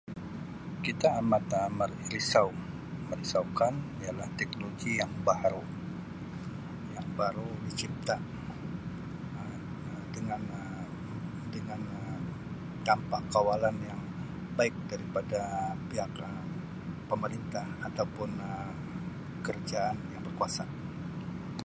Kita amat-amat risau, merisaukan ialah teknologi yang bahru, yang baru dicipta Um dengan Um dengan Um tanpa kawalan yang baik daripada pihak Um pemerintah atau pun Um kerajaan yang berkuasa.